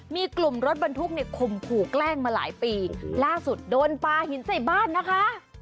มีกลุ่มรถบรรทุกเนี่ยข่มขู่แกล้งมาหลายปีล่าสุดโดนปลาหินใส่บ้านนะคะ